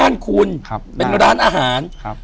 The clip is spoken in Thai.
อยู่ที่แม่ศรีวิรัยิลครับ